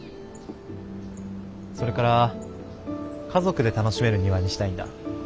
それから家族で楽しめる庭にしたいんだ。